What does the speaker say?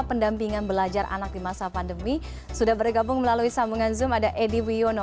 pendampingan belajar anak di masa pandemi sudah bergabung melalui sambungan zoom ada edi wiono